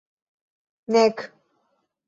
nek